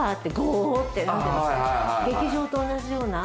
劇場と同じような。